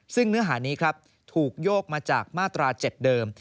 ซึ่งเนื้อหานี้ครับถูกโยกมาจากมาตรา๗เดิม